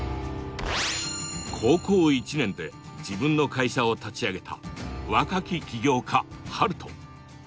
高校１年で自分の会社を立ち上げた若き起業家ハルト。